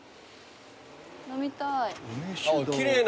飲みたい。